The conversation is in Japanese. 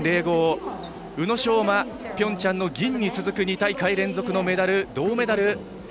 宇野昌磨、ピョンチャンの銀に続く２大会連続のメダル、銅メダル。